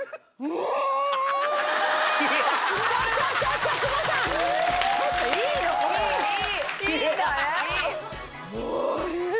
おいしい！